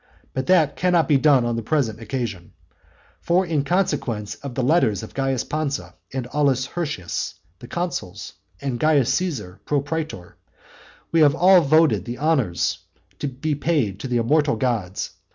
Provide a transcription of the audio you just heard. But that cannot be done on the present occasion. For in consequence of the letters of Caius Pansa and Aulus Hirtius, the consuls, and of Caius Caesar, propraetor, we have all voted that honours be paid to the immortal gods.